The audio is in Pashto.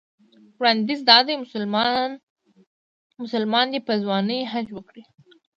وړاندیز دا دی مسلمان دې په ځوانۍ حج وکړي.